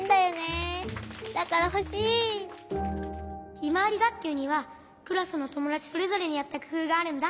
ひまわりがっきゅうにはクラスのともだちそれぞれにあったくふうがあるんだ。